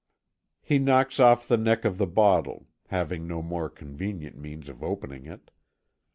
He knocks off the neck of the bottle having no more convenient means of opening it.